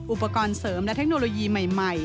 อุปกรณ์เสริมและเทคโนโลยีใหม่